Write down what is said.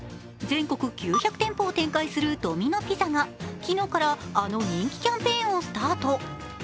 全国９００店舗を展開するドミノ・ピザが昨日からあの、人気キャンペーンをスタート。